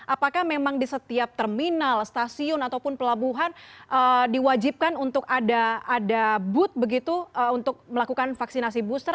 apakah memang di setiap terminal stasiun ataupun pelabuhan diwajibkan untuk ada booth begitu untuk melakukan vaksinasi booster